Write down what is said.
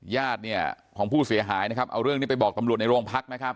ญาติของผู้เสียหายเอาเรื่องนี้ไปบอกตำรวจในโรงพัก